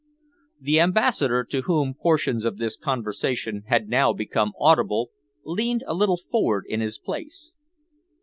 The Ambassador, to whom portions of this conversation had now become audible, leaned a little forward in his place.